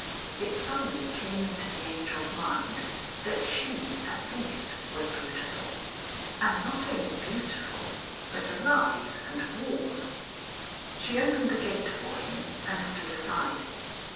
It suddenly came into the Angel's mind that she, at least, was beautiful, and not only beautiful but alive and warm. She opened the gate for him and stood aside.